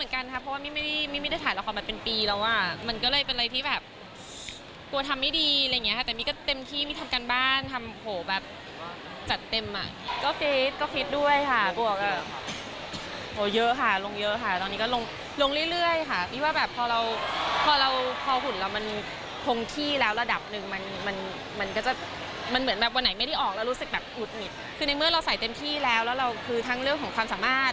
คือในเมื่อเราใส่เต็มที่แล้วแล้วเราคือทั้งเรื่องของความสามารถ